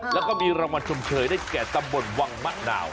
แล้วก็มีรางวัลชมเชยได้แก่ตำบลวังมะนาว